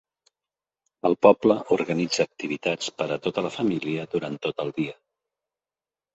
El poble organitza activitats per a tota la família durant tot el dia.